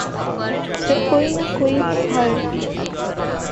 جب کوئی نہ کوئی بھارتی